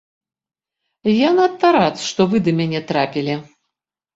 Я надта рад, што вы да мяне трапілі.